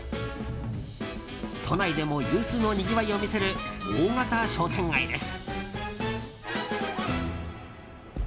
都内でも有数のにぎわいを見せる大型商店街です。